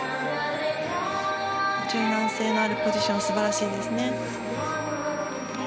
柔軟性のあるポジション素晴らしいですね。